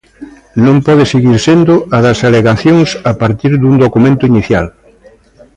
Non pode seguir sendo a das alegacións a partir dun documento inicial.